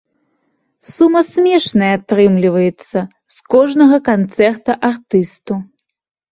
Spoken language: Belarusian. Сума смешная атрымліваецца з кожнага канцэрта артысту.